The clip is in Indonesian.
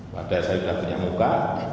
padahal saya sudah punya muka